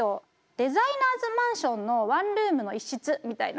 デザイナーズマンションのワンルームの１室みたいな。